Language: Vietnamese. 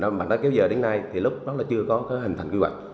mà nó kéo dài đến nay thì lúc đó là chưa có hình thành quy hoạch